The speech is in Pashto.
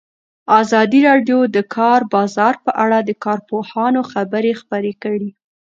ازادي راډیو د د کار بازار په اړه د کارپوهانو خبرې خپرې کړي.